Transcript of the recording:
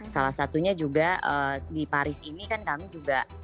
salah satunya juga di paris ini kan kami juga